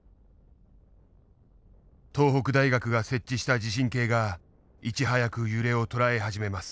東北大学が設置した地震計がいち早く揺れを捉え始めます。